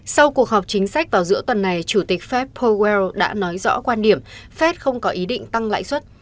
sau cuộc họp chính sách vào giữa tuần này chủ tịch fed powell đã nói rõ quan điểm phép không có ý định tăng lãi suất